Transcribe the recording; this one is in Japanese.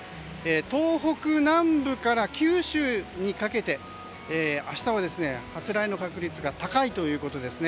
東北南部から九州にかけて明日は発雷の確率が高いということです。